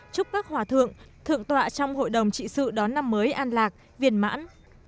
chúc các hòa thượng thượng tọa trong hội đồng trị sự đón năm mới an lạc viên mãn